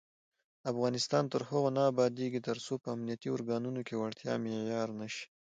افغانستان تر هغو نه ابادیږي، ترڅو په امنیتي ارګانونو کې وړتیا معیار نشي.